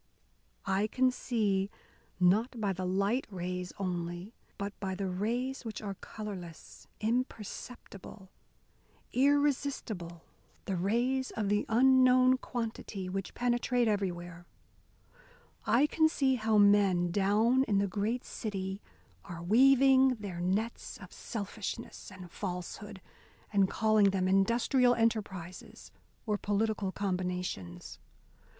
I can see, not by the light rays only, but by the rays which are colourless, imperceptible, irresistible the rays of the unknown quantity, which penetrate everywhere. I can see how men down in the great city are weaving their nets of selfishness and falsehood, and calling them industrial enterprises or political combinations.